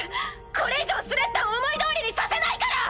これ以上スレッタを思いどおりにさせないから！